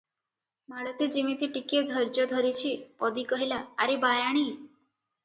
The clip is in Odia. ମାଳତୀ ଯିମିତି ଟିକିଏ ଧୈର୍ଯ୍ୟ ଧରିଛି, ପଦୀ କହିଲା, "ଆରେ ବାୟାଣୀ!